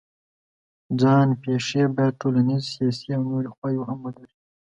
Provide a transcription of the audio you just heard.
ځان پېښې باید ټولنیز، سیاسي او نورې خواوې هم ولري.